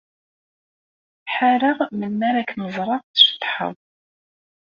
Ḥareɣ melmi ara kem-ẓreɣ tceṭṭḥeḍ.